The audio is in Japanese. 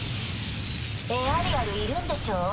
エアリアルいるんでしょ？